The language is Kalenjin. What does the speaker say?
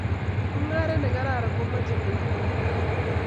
mungaret nekararan komochei muitaet